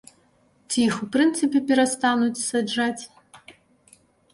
Ці іх у прынцыпе перастануць саджаць?